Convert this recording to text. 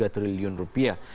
dua tiga triliun rupiah